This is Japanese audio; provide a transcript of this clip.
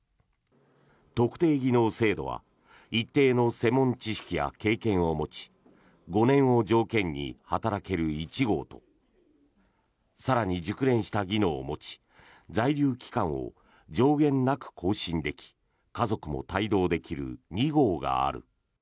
特定技能制度は一定の専門知識や経験を持ち５年を条件に働ける１号と更に熟練した技能を持ち在留期間を上限なく更新でき家族も帯同できる２号がある。